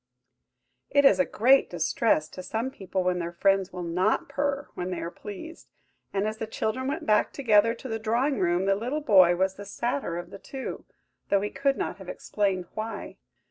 It is a great distress to some people when their friends will not purr when they are pleased; and as the children went back together to the drawing room, the little boy was the sadder of the two, though he could not have explained why.